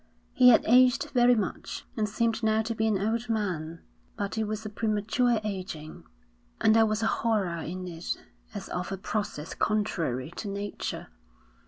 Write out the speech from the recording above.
He had aged very much and seemed now to be an old man, but it was a premature aging, and there was a horror in it as of a process contrary to nature.